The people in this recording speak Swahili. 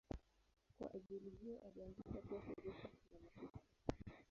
Kwa ajili hiyo alianzisha pia shirika la masista.